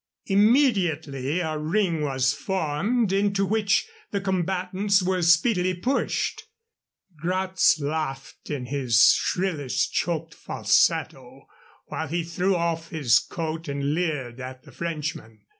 Immediately a ring was formed, into which the combatants were speedily pushed. Gratz laughed in his shrillest choked falsetto, while he threw off his coat and leered at the Frenchman.